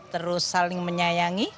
terus saling menyayangi